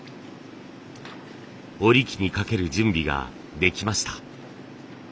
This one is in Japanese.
織り機にかける準備ができました。